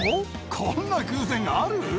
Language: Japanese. こんな偶然ある？